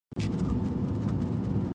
دوی به د جنګ په میدان کې توره وهله.